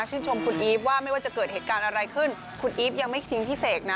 ชมคุณอีฟว่าไม่ว่าจะเกิดเหตุการณ์อะไรขึ้นคุณอีฟยังไม่ทิ้งพี่เสกนะ